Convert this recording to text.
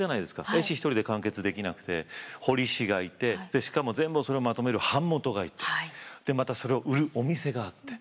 絵師１人で完結できなくて彫師がいてしかも全部それをまとめる版元がいてまたそれを売るお店があって。